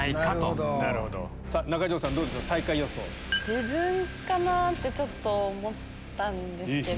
自分かなぁってちょっと思ったんですけど。